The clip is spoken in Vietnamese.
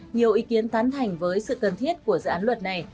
nhiều ý kiến tán thành với sự cần thiết của dự án luật này